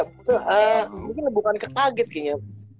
mungkin bukan kekaget kayaknya